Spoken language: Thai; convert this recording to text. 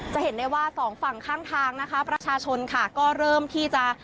จะเห็นได้ว่าสองฝั่งข้างทางนะคะประชาชนค่ะก็เริ่มที่จะ